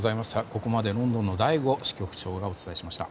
ここまで、ロンドンの醍醐支局長がお伝えしました。